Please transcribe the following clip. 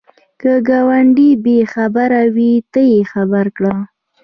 که ګاونډی بې خبره وي، ته یې خبر کړه